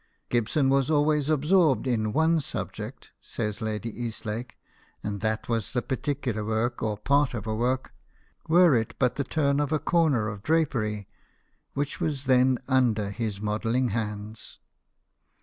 " Gibson was always absorbed in one subject," says Lady Eastlake, " and that was the particular work or part of a work were it but the turn of a corner of drapery which was then under his modelling hands.